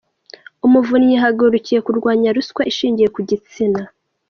Umuvunyi yahagurukiye kurwanya ruswa ishingiye ku gitsina